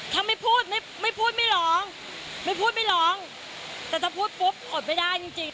ถ้าไม่พูดไม่ร้องไม่พูดไม่ร้องแต่ถ้าพูดปุ๊บอดไปได้จริง